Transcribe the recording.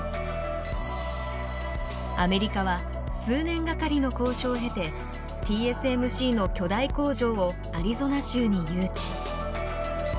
アメリカは数年掛かりの交渉を経てＴＳＭＣの巨大工場をアリゾナ州に誘致。